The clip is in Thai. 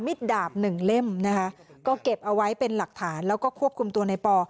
ดาบหนึ่งเล่มนะคะก็เก็บเอาไว้เป็นหลักฐานแล้วก็ควบคุมตัวในปอ